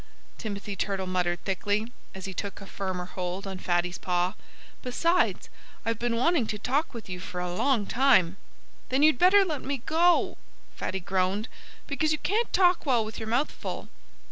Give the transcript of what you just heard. Timothy Turtle muttered thickly, as he took a firmer hold on Fatty's paw. "Besides, I've been wanting to talk with you for a long time." "Then you'd better let me go," Fatty groaned, "because you can't talk well with your mouth full."